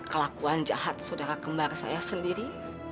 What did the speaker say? kelakuan jahat saudara kembar saya sendiri